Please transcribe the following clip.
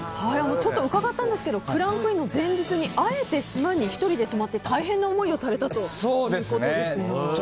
ちょっと伺ったんですがクランクインの前日にあえて島に１人で泊まって大変な思いをされたということですね。